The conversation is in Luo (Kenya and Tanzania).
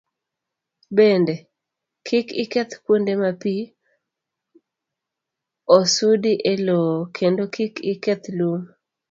Bende, kik iketh kuonde ma pi osudi e lowo, kendo kik iketh lum.